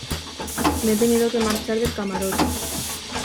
me he tenido que marchar del camarote